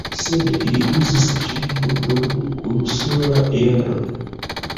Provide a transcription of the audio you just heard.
Sed li uzis ĝin nur dum unusola jaro.